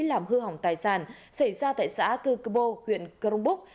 cố ý làm hư hỏng tài sản xảy ra tại xã cư cơ bô huyện crong búc